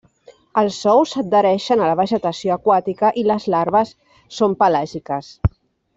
Els ous s'adhereixen a la vegetació aquàtica i les larves són pelàgiques.